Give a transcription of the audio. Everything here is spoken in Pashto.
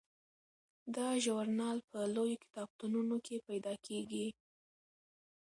دا ژورنال په لویو کتابتونونو کې پیدا کیږي.